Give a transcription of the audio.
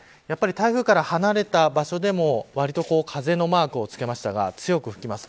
台風から離れた場所でもわりと風のマークを付けましたが強く吹きます。